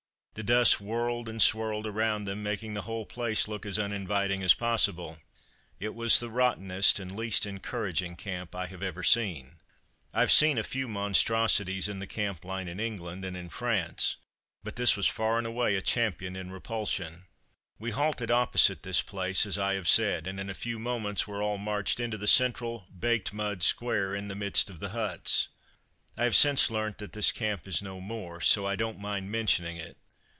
The dust whirled and swirled around them, making the whole place look as uninviting as possible. It was the rottenest and least encouraging camp I have ever seen. I've seen a few monstrosities in the camp line in England, and in France, but this was far and away a champion in repulsion. We halted opposite this place, as I have said, and in a few moments were all marched into the central, baked mud square, in the midst of the huts. I have since learnt that this camp is no more, so I don't mind mentioning it.